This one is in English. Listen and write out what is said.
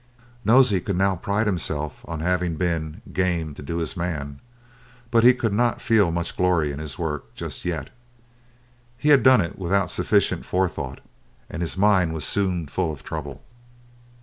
Nosey could now pride himself on having been "game to do his man," but he could not feel much glory in his work just yet. He had done it without sufficient forethought, and his mind was soon full of trouble.